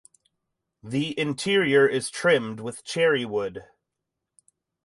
The interior is trimmed with cherry wood.